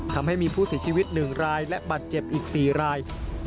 ทำให้มีผู้เสียชีวิต๑รายและบัตรเจ็บอีก๔ราย